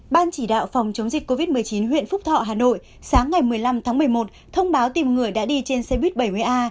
ban chỉ đạo phòng chống dịch covid một mươi chín huyện phúc thọ hà nội sáng ngày một mươi năm tháng một mươi một thông báo tìm người đã đi trên xe buýt bảy mươi a